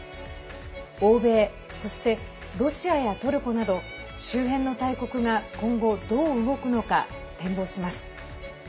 欧米、そしてロシアやトルコなど周辺の大国が今後どう動くのか展望します。